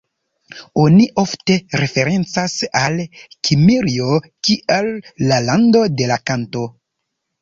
Oni ofte referencas al Kimrio kiel la "lando de la kanto".